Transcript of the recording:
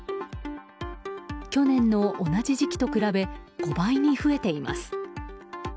去年の同じ時期と比べ５倍に増えています。